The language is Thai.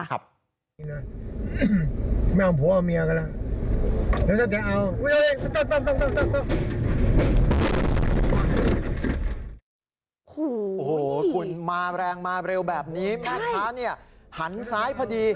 โอ้โหคุณมาแรงมาเร็วแบบนี้แม่ค้าเนี่ยหันซ้ายพอดี